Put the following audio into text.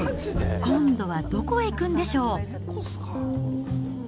今度はどこへ行くんでしょう。